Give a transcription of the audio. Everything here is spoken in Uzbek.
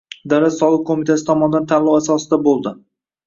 Davlat soliq qoʻmitasi tomonidan tanlov asosida bo'ldi.